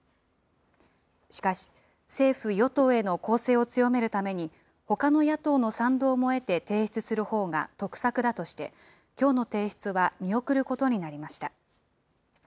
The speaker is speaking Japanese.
しかし、政府・与党への攻勢を強めるために、ほかの野党の賛同も得て提出するほうが得策だとして、きょうの提出は見送ることになりました。